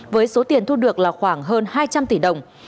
với số tiền thu được là khoảng hơn hai trăm linh tỷ đồng